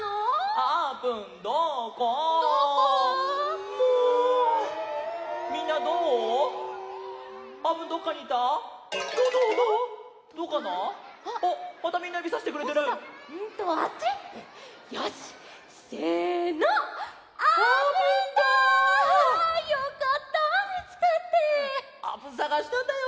あーぷんさがしたんだよ。